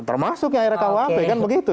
termasuknya rkuhp kan begitu